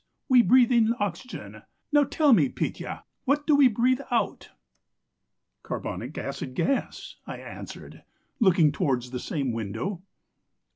We breathe in oxygen; now tell me, Petya, what do we breathe out?' "'Carbonic acid gas,' I answered, looking towards the same window.